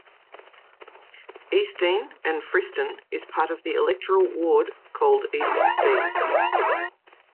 Eastdean and Friston is part of the electoral ward called East Dean.